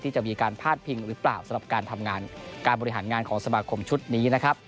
จะมีการพาดพิงหรือเปล่าสำหรับการทำงานการบริหารงานของสมาคมชุดนี้นะครับ